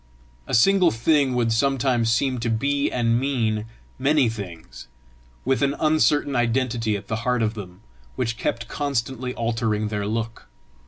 A single thing would sometimes seem to be and mean many things, with an uncertain identity at the heart of them, which kept constantly altering their look.